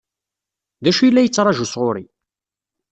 D acu i la yettṛaǧu sɣur-i?